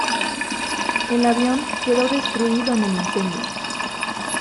El avión quedó destruido en el incendio.